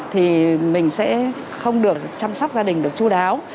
thì mình sẽ không được chăm sóc gia đình được chú đáo